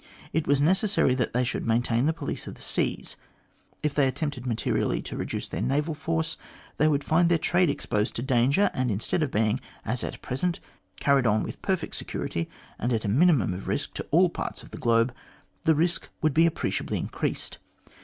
It was necessary that they should maintain the police of the seas. If they attempted materially to reduce their naval force, they would find their trade exposed to danger, and instead of being, as at present, carried on with perfect security and at a minimum risk to all parts of the globe, the risk would be appreciably increased.